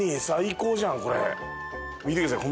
見てください。